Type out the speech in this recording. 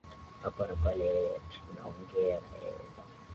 hapa na pale eeh tunaongea na yeye